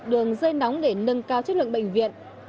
đường dây nóng để nâng cao chất lượng bệnh viện